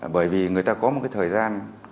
bởi vì người ta có một cái thời gian